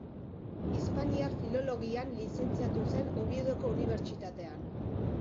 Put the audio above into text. Hispaniar Filologian lizentziatu zen Oviedoko Unibertsitatean.